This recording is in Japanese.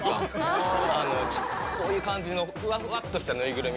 こういう感じのふわふわっとしたぬいぐるみ。